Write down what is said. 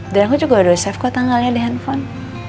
dan aku juga udah save kok tanggalnya di handphone